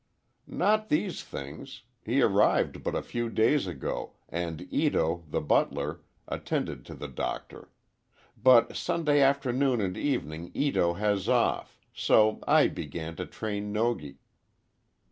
"Not these things. He arrived but a few days ago, and Ito the butler, attended to the Doctor. But Sunday afternoon and evening Ito has off, so I began to train Nogi."